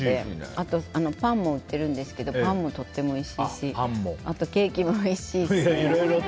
あと、パンも売ってるんですけどパンもとてもおいしいしケーキもおいしいし。